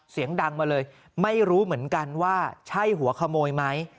เสียงดังมาเลยไม่รู้เหมือนกันว่าใช่หัวขโมยไหม